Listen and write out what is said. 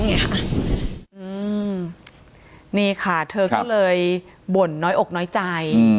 นี่ค่ะเธอก็เลยบ่นน้อยอกน้อยใจ